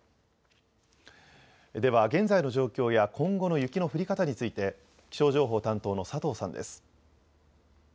では現在の状況や今後の雪の降り方について気象情報担当の佐藤さんです。